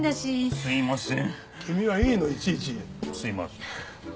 すいません。